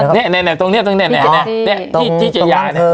เนี้ยเนี้ยเนี้ยตรงเนี้ยตรงเนี้ยเนี้ยเนี้ยเนี้ยที่จิตยาเนี้ย